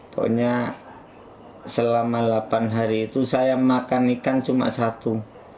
pokoknya selama delapan hari itu saya makan ikan cuma satu